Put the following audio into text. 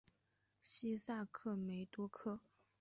西萨克梅多克。